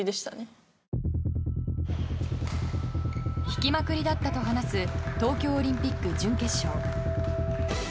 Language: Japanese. ひきまくりだったと話す東京オリンピック準決勝。